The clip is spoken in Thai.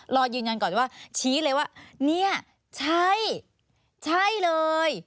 รอยืนยันก่อนว่าชี้เลยว่าเนี่ยใช่ใช่เลย